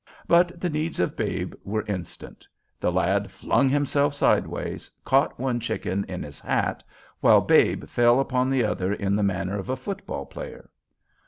But the needs of Babe were instant. The lad flung himself sidewise, caught one chicken in his hat, while Babe fell upon the other in the manner of a football player.